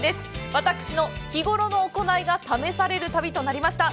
私の日頃の行いが試される旅となりました。